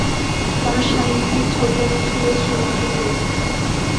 তার সাহিত্যিক ছদ্মনাম ছিল "শ্রীমতী দেবী"।